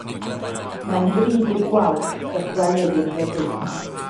Mae'n bryd i'r gwalch ddychwelyd i'r Ddyfi.